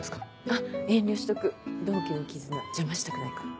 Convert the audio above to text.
あっ遠慮しとく同期の絆邪魔したくないから。